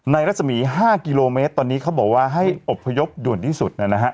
รัศมี๕กิโลเมตรตอนนี้เขาบอกว่าให้อบพยพด่วนที่สุดนะฮะ